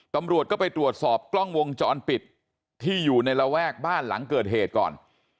ตำรวจก็ไปตรวจสอบกล้องวงจรปิดที่อยู่ในระแวกบ้านหลังเกิดเหตุก่อน